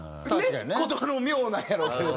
言葉の妙なんやろうけど。